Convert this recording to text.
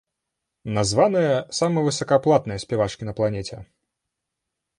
Названыя самыя высокааплатныя спявачкі на планеце.